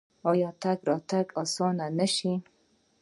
آیا تګ راتګ دې اسانه نشي؟